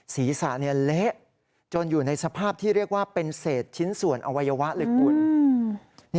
ศีรษะเละจนอยู่ในสภาพที่เรียกว่าเป็นเศษชิ้นส่วนอวัยวะเลยคุณ